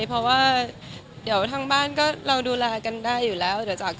เพราะว่าเดี๋ยวทางบ้านก็เราดูแลกันได้อยู่แล้ว